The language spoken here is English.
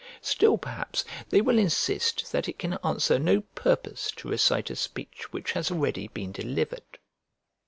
Still, perhaps, they will insist that it can answer no purpose to recite a speech which has already been delivered.